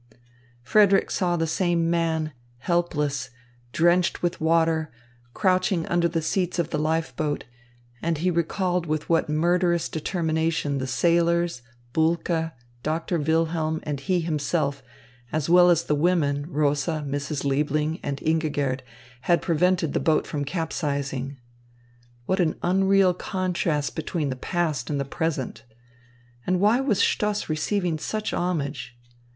Frederick saw the same man helpless, drenched with water, crouching under the seats of the life boat; and he recalled with what murderous determination the sailors, Bulke, Doctor Wilhelm, and he himself, as well as the women, Rosa, Mrs. Liebling, and Ingigerd, had prevented the boat from capsizing. What an unreal contrast between the past and the present! And why was Stoss receiving such homage?